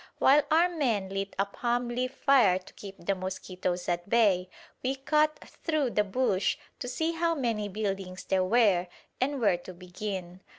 While our men lit a palm leaf fire to keep the mosquitoes at bay, we cut through the bush to see how many buildings there were and where to begin.